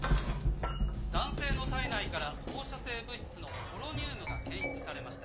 男性の体内から放射性物質のポロニウムが検出されました。